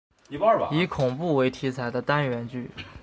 以恐怖为题材的单元剧。